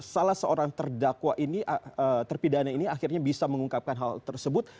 salah seorang terpidana ini akhirnya bisa mengungkapkan hal tersebut